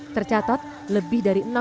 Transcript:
tercatat lebih dari